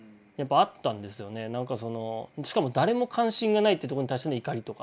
しかも誰も関心がないってとこに対しての怒りとか。